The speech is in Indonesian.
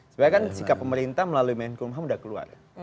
sebenarnya kan sikap pemerintah melalui menkumham sudah keluar